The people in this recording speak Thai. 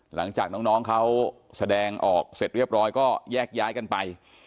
หลังจากน้องเขาแสดงออกเสร็จเรียบร้อยก็แยกย้ายกันไป